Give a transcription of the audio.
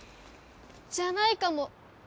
じゃないかも。